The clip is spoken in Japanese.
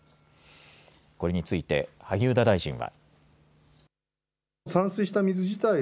これについて萩生田大臣は。